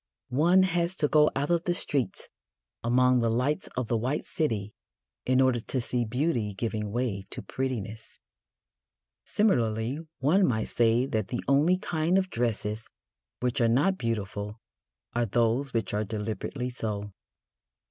One has to go out of the streets among the lights of the White City in order to see beauty giving way to prettiness. Similarly, one might say that the only kind of dresses which are not beautiful are those which are deliberately so.